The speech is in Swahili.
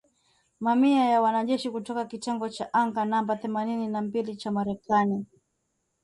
Mamia ya wanajeshi kutoka kitengo cha anga namba themanini na mbili cha Marekani.